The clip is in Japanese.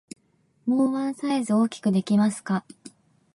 もうワンサイズ大きくできますか？